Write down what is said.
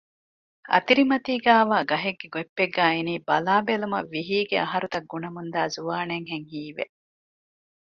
އަތިރިމަތީގައިވާ ގަހެއްގެ ގޮތްޕެއްގައި އިނީ ބަލާބެލުމަށް ވިހީގެ އަހަރުތައް ގުނަމުންދާ ޒުވާނެއްހެން ހީވެ